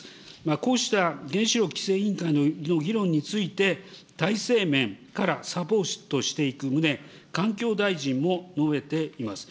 こうした原子力規制委員会の議論について、体制面からサポートしていく旨、環境大臣も述べています。